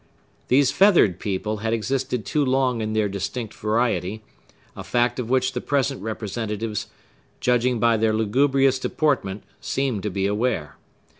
These feathered people had existed too long in their distinct variety; a fact of which the present representatives, judging by their lugubrious deportment, seemed to be aware.